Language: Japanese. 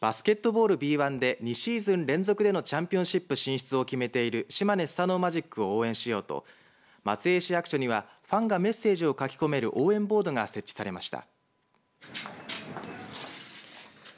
バスケットボールＢ１で２シーズン連続でのチャンピオンシップ進出を決めている島根スサノオマジックを応援しようと松江市役所にはファンがメッセージを書き込める応援ボードが設置されました。